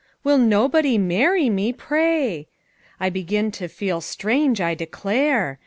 Will nobody marry me, pray! I begin to feel strange, I declare!